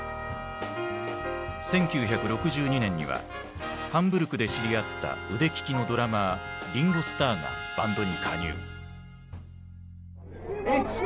１９６２年にはハンブルクで知り合った腕利きのドラマーリンゴ・スターがバンドに加入。